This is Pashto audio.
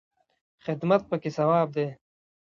خدمت پکې ثواب دی